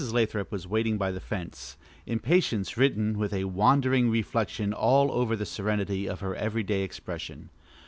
Lathrop was waiting by the fence, impatience written with a wandering reflection all over the serenity of her every day expression.